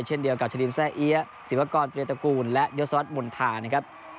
เช่นเดียวกับชะลินแซ่เอี๊ยะศิวากรปริยตกูลและเยอะสวรรค์บุญฐานนะครับ